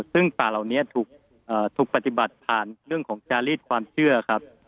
ซึ่งป่าเหล่านี้ถูกปฏิบัติผ่านเรื่องของจารีดความเชื่อครับ